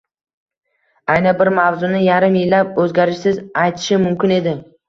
ayni bir mavzuni yarim yillab oʻzgarishsiz aytishim mumkin edi